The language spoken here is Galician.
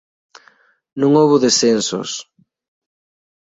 Non houbo descensos.